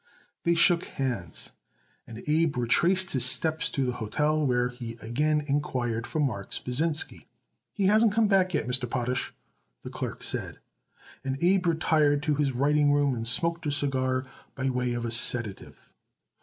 They shook hands, and Abe retraced his steps to the hotel, where he again inquired for Marks Pasinsky. "He hasn't come back yet, Mr. Potash," the clerk said, and Abe retired to the writing room and smoked a cigar by way of a sedative.